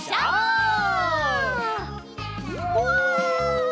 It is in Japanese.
うわ！